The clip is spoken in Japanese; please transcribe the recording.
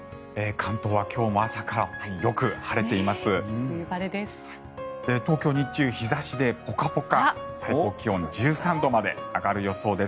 関東は今日も朝からよく晴れています。